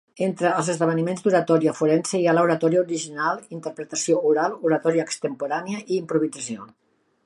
Entre els esdeveniments d'oratòria forense hi ha Oratòria original, Interpretació oral, Oratòria extemporània i Improvisació.